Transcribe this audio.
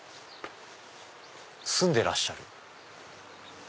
住んでらっしゃる？